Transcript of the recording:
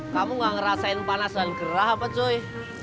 kamu nggak ngerasain panas dan gerah apa cuy